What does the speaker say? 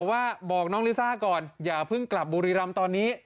ว่าบอกน้องลิซ่าก่อนอย่าเพิ่งกลับบุรีรำตอนนี้